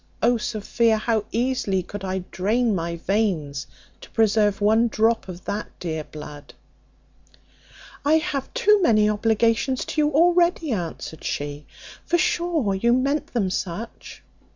O Sophia, how easily could I drain my veins to preserve one drop of that dear blood." "I have too many obligations to you already," answered she, "for sure you meant them such."